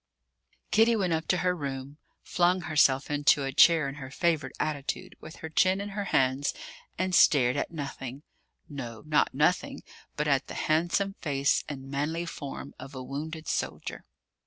Kitty went up to her room, flung herself into a chair in her favourite attitude, with her chin in her hands, and stared at nothing no, not nothing, but at the handsome face and manly form of a wounded soldier.